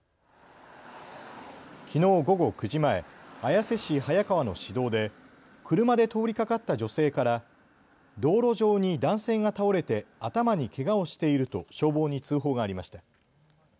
きのう午後９時前、綾瀬市早川の市道で車で通りかかった女性から道路上に男性が倒れて頭にけがをしていると消防に通報がありました。